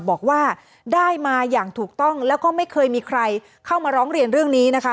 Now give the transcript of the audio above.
บอกว่าได้มาอย่างถูกต้องแล้วก็ไม่เคยมีใครเข้ามาร้องเรียนเรื่องนี้นะคะ